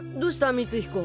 光彦。